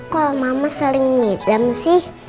kalau mama sering ngidam sih